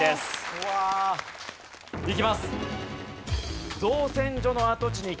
うわあ。いきます。